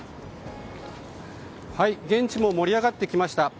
現地も盛り上がってきました。